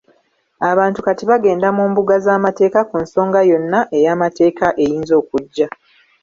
Abantu kati bagenda mu mbuga z'amateeka ku nsonga yonna ey'amateeka eyinza okujja.